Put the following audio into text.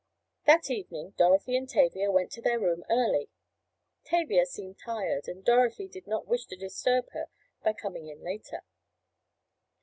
That evening Dorothy and Tavia went to their room early. Tavia seemed tired, and Dorothy did not wish to disturb her by coming in later.